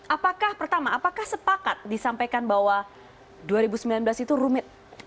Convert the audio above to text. apakah pertama apakah sepakat disampaikan bahwa dua ribu sembilan belas itu rumit